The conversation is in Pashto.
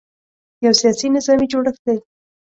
یو سیاسي – نظامي جوړښت دی.